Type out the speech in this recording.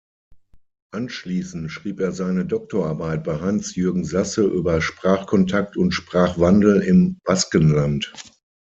Anschließend schrieb er seine Doktorarbeit bei Hans-Jürgen Sasse über "Sprachkontakt und Sprachwandel im Baskenland.